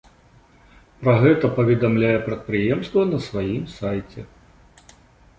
Пра гэта паведамляе прадпрыемства на сваім сайце.